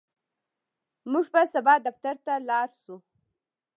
موږ به سبا دفتر ته لاړ شو.